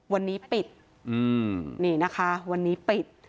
วันนี้ปิดนี่นะคะวันนี้ปิด